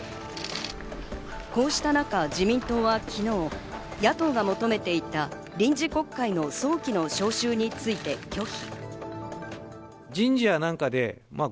こうした中、自民党は昨日、野党が求めていた臨時国会の早期の招集について拒否。